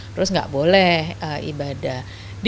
terus gak boleh ibadah